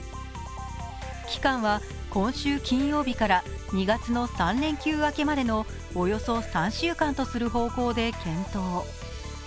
期間は今週金曜日から２月の３連休明けまでのおよそ３週間とする方向で検討。